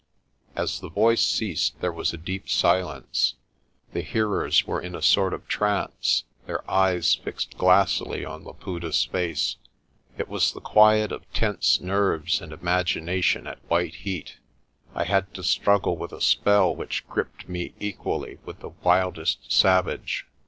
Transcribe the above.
As the voice ceased there was a deep silence. The hear ers were in a sort of trance, their eyes fixed glassily on Laputa's face. It was the quiet of tense nerves and imagina tion at white heat. I had to struggle with a spell which gripped me equally with the wildest savage.